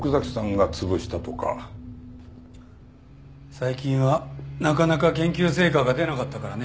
最近はなかなか研究成果が出なかったからね。